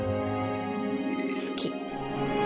好き。